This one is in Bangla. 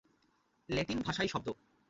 ল্যাটিন ভাষায় শব্দ।